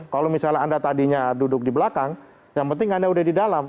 kalau misalnya anda tadinya duduk di belakang yang penting anda udah di dalam